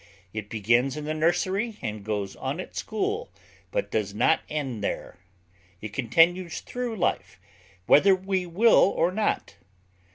It begins in the nursery, and goes on at school, but does not end there. It continues through life, whether we will or not....